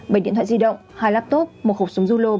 bệnh điện thoại di động hai laptop một khẩu súng dư lô